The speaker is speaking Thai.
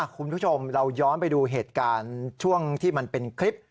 คุณผู้ชมเราย้อนไปดูเหตุการณ์ช่วงที่มันเป็นคลิป